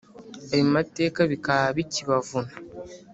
Ayo mateka bikaba bikibavuna